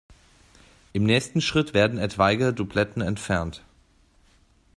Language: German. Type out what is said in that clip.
Im nächsten Schritt werden etwaige Doubletten entfernt.